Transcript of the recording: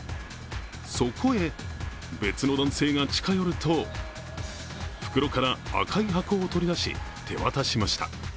そこへ、別の男性が近寄ると袋から赤い箱を取り出し、手渡しました、